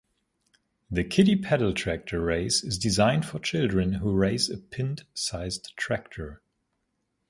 The Kiddie Pedal Tractor race is designed for children who race a pint-sized tractor.